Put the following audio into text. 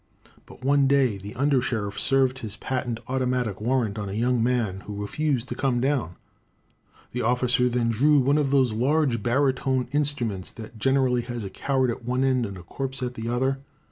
But one day the under sheriff served his patent automatic warrant on a young man who refused to come down. The officer then drew one of those large baritone instruments that generally has a coward at one end and a corpse at the other.